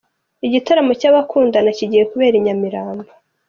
Igitaramo cy'abakundana kigiye kubera i Nyamirambo.